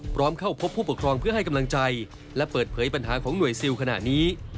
พร้อมเข้าพบผู้ปกครองเพื่อให้กำลังใจและเปิดเผยปัญหาของหน่วยซิลขณะนี้